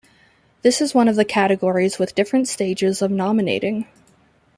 This is one of the categories with different stages of nominating.